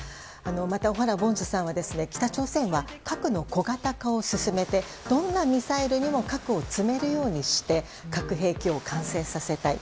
また、小原凡司さんは北朝鮮は核の小型化を進めてどんなミサイルにも核を積めるようにして核兵器を完成させたい。